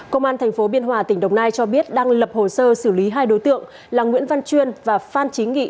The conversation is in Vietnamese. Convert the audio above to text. công an thành phố biên hòa tỉnh đồng nai cho biết đang lập hồ sơ xử lý hai đối tượng là nguyễn văn chuyên và phan chí nghị